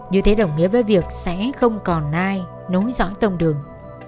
như thế đồng nghĩa với việc sẽ không còn ai nối dõi tông đường